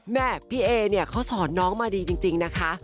แม่พี่เอเนี่ยเขาสอนน้องมาดีจริงนะคะ